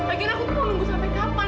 lagi aku tuh mau nunggu sampai kapan